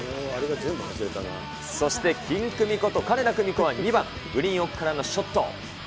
そしてキンクミこと、金田久美子は２番、グリーン奥からのショット。